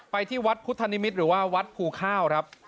ที่วัดพุทธนิมิตรหรือว่าวัดภูข้าวครับ